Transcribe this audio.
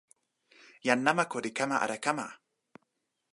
jan namako li kama ala kama?